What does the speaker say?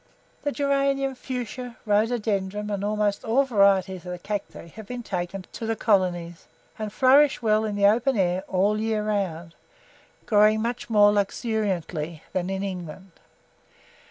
The geranium, fuschia, rhododendrum, and almost all varieties of the Cacti have been taken to the colonies, and flourish well in the open air all the year round, growing much more luxuriantly than in England.